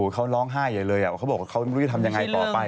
เขาร้องไห้ใหญ่เลยเขาบอกว่าเขาไม่รู้จะทำยังไงต่อไป